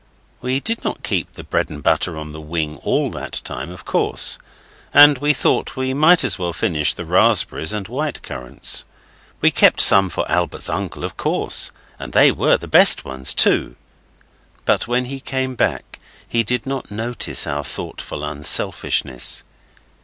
We did not keep the bread and butter on the wing all that time, of course, and we thought we might as well finish the raspberries and white currants. We kept some for Albert's uncle, of course, and they were the best ones too but when he came back he did not notice our thoughtful unselfishness.